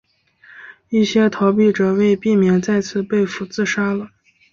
一些逃脱者为避免再次被俘自杀了。